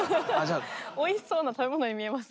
おいしそうな食べ物に見えます。